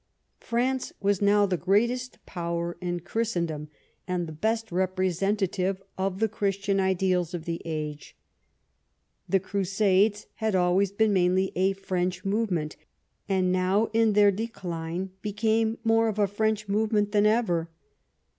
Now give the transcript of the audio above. France was now the greatest power in Christendom, and the best representative of the Christian ideals of the age. The Crusades had always been mainly a Frencli movement, and now in their decline became more of a French movement than ever.